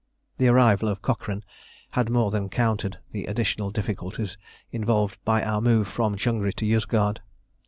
The arrival of Cochrane had more than countered the additional difficulties involved by our move from Changri to Yozgad.